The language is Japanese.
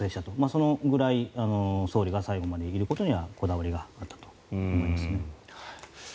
そのぐらい、総理が最後までいることにはこだわりがあったと思いますね。